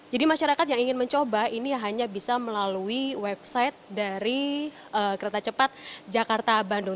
jadi masyarakat yang ingin mencoba ini hanya bisa melalui website dari kereta cepat jakarta bandung